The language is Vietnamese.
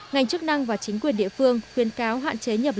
ngành chức năng và chính quyền địa phương khuyên cáo hạn chế nhập